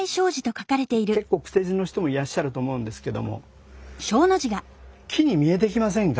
結構癖字の人もいらっしゃると思うんですけども「木」に見えてきませんか？